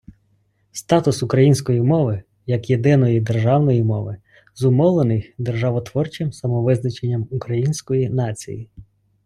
Статус української мови як єдиної державної мови зумовлений державотворчим самовизначенням української нації.